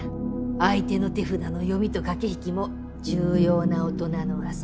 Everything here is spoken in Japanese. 相手の手札の読みと駆け引きも重要な大人